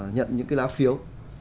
nhận những cái lá phiếu